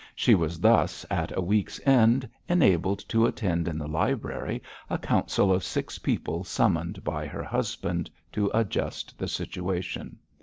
She was thus, at a week's end, enabled to attend in the library a council of six people summoned by her husband to adjust the situation.